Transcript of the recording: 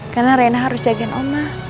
karena rena harus jagain oma